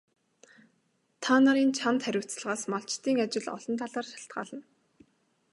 Та нарын чанд хариуцлагаас малчдын ажил олон талаар шалтгаална.